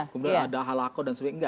kemudian ada halako dan sebagainya